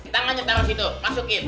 tangan di tangan situ masukin